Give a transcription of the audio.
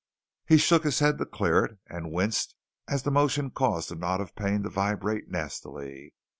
He shook his head to clear it and winced as the motion caused the knot of pain to vibrate nastily.